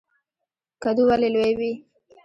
کدو ولې لوی وي؟